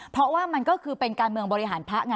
เพราะว่ามันก็คือเป็นการเมืองบริหารพระไง